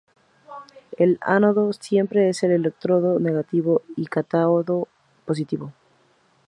El ánodo siempre es el electrodo negativo y el cátodo el positivo.